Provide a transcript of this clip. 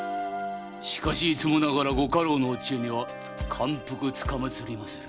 しかしいつもながらご家老のお知恵には感服つかまつりまする。